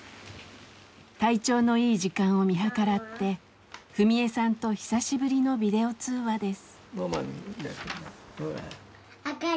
体調のいい時間を見計らって史恵さんと久しぶりのビデオ通話です。